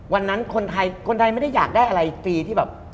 วันนั้นคนไทยคนไทยไม่ได้อยากได้อะไรฟรีที่แบบ